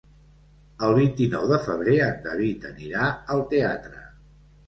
El vint-i-nou de febrer en David anirà al teatre.